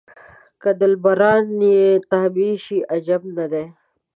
که دلبران یې تابع شي عجب نه دی.